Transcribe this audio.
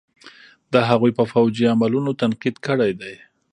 د هغوئ په فوجي عملونو تنقيد کړے دے.